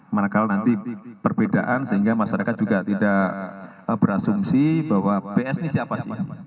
manakala nanti perbedaan sehingga masyarakat juga tidak berasumsi bahwa ps ini siapa sih